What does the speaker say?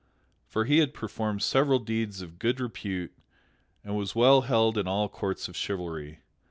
For he had performed several deeds of good repute and was well held in all courts of chivalry.